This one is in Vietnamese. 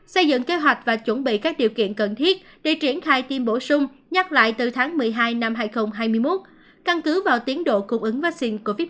xây dựng kế hoạch và chuẩn bị các điều kiện cần thiết để triển khai tiêm bổ sung nhắc lại từ tháng một mươi hai năm hai nghìn hai mươi một căn cứ vào tiến độ cung ứng vaccine covid một mươi chín